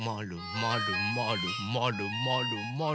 まるまるまるまる。